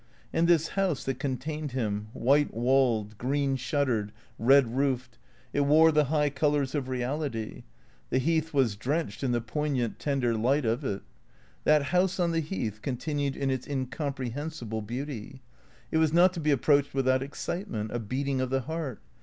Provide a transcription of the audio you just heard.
And this house that contained him, white walled, green shut tered, red roofed, it wore the high colours of reality; the Heath vvas drenched in the poignant, tender light of it. That house on the Heath continued in its incomprehensible beauty. It was not to be approached without excitement, a beating of the heart.